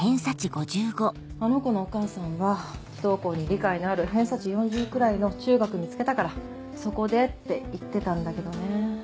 あの子のお母さんは不登校に理解のある偏差値４０くらいの中学見つけたからそこでって言ってたんだけどね。